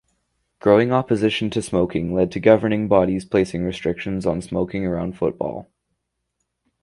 Growing opposition to smoking led to governing bodies placing restrictions on smoking around football.